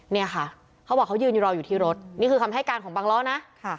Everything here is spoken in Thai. เนี่ยค่ะเขาบอกเขายืนรออยู่ที่รถนี่คือคำให้การของบังล้อนะ